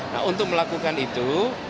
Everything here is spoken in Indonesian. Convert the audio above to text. nah untuk melakukan itu